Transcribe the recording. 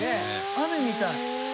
雨みたい。